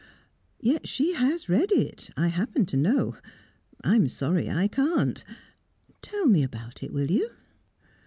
"Yet she has read it I happen to know. I'm sorry I can't. Tell me about it, will you?"